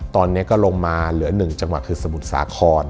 ตอนนี้ก็ลงมาเหลือ๑จังหวัดคือสมุทรสาคร